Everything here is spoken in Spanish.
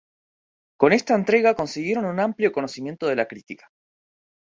Con esta entrega consiguieron un amplio reconocimiento de la crítica.